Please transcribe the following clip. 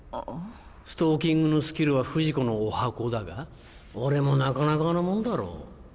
ストーキングのスキルは不二子のおはこだが俺もなかなかのもんだろう。